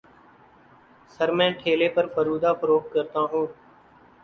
سر میں ٹھیلے پر فالودہ فروخت کرتا ہوں